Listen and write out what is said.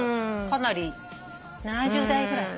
かなり７０代ぐらい？